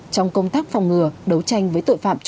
trong công tác phòng ngừa đấu tranh với tội phạm